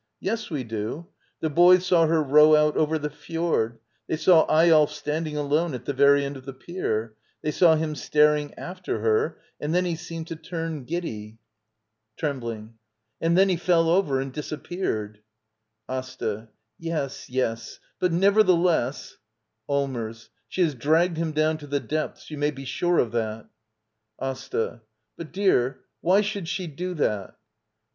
Yes, we do. The boys saw her row out over the fjord. They saw Eyolf standing alone at the very end of the pier. They saw him staring after her — and then he seemed to turn giddy. Digitized by VjOOQIC Act II. ^ LITTLE EYOLF [Trembling.] And then he fell Qy£r. »4md.,iik appeared. TGtaT Yes, yes. But nevertheless — Allmers. She has dragged him down to the depths — you may be sure of that. AsTA. But, dear, why should she do that?